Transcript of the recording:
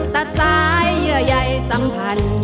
ตัดสายให้ใหญ่สัมพันธ์